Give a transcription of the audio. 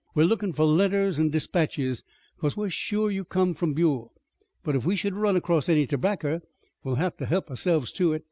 We're lookin' for letters an' dispatches, 'cause we're shore you come from Buell, but if we should run across any terbacker we'll have to he'p ourselves to it.